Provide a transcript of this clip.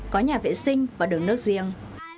có nhà vệ sinh và đường nước riêng